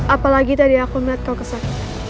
apalagi tadi aku melihat kau kesan